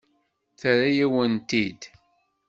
Terra-yawen-t-id.